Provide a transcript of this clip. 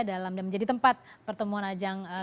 dalam menjadi tempat pertemuan ajang keuangan